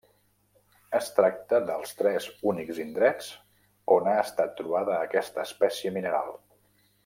Es tracta dels tres únics indrets on ha estat trobada aquesta espècie mineral.